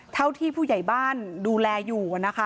เท่าที่ผู้ใหญ่บ้านดูแลอยู่นะคะ